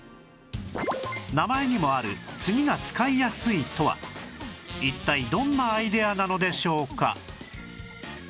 名前にもある「次が使いやすい」とは一体どんなアイデアなのでしょうか？